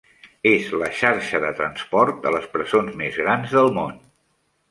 És la xarxa de transport a les presons més gran del món.